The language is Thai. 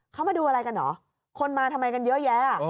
เขามาดูอะไรกันเหรอคนมาทำไมกันเยอะแยะ